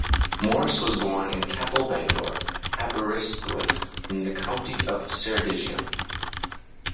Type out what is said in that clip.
Morris was born in Capel Bangor, Aberystwyth in the County of Ceredigion.